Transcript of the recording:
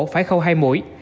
phải khâu hai mũi